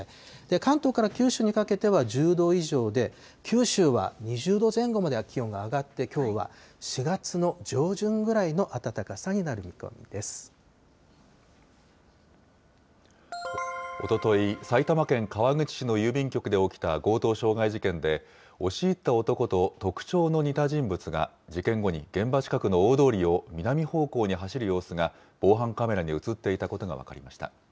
関東から九州にかけては１０度以上で、九州は２０度前後までは気温が上がって、きょうは４月の上旬ぐらいの暖かさになる見込みでおととい、埼玉県川口市の郵便局で起きた強盗傷害事件で、押し入った男と特徴の似た人物が、事件後に現場近くの大通りを南方向に走る様子が、防犯カメラに写っていたことが分かりました。